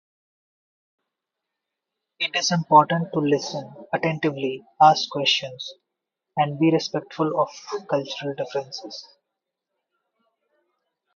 It is important to listen attentively, ask questions, and be respectful of cultural differences.